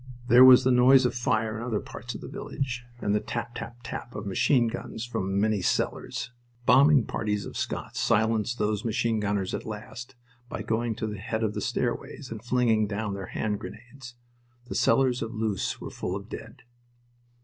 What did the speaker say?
There was the noise of fire in other parts of the village, and the tap tap tap of machine guns from many cellars. Bombing parties of Scots silenced those machine gunners at last by going to the head of the stairways and flinging down their hand grenades. The cellars of Loos were full of dead.